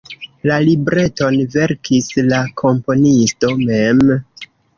La libreton verkis la komponisto mem.